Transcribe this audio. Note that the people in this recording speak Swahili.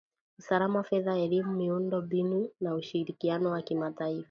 usalama fedha elimu miundo mbinu na ushirikiano wa kimataifa